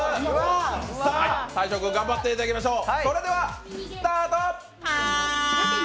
大昇君、頑張っていただきましょう。